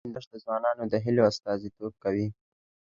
هندوکش د ځوانانو د هیلو استازیتوب کوي.